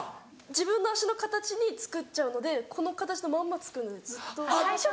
自分の足の形に作っちゃうのでこの形のまんま作るのでずっと。